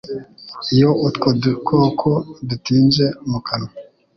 Iyo utwo dukoko dutinze mu kanwa,